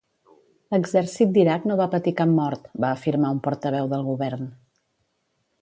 L'exèrcit d'Iraq no va patir cap mort, va afirmar un portaveu del govern.